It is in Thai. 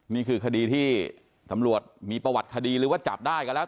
นี่คือคดีที่ตำรวจมีประวัติคดีหรือว่าจับได้ก็แล้ว